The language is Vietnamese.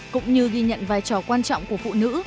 cũng như ghi nhận vai trò quan trọng của phụ nữ